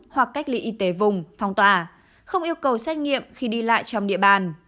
hoặc cách ly y tế vùng phong tỏa không yêu cầu xét nghiệm khi đi lại trong địa bàn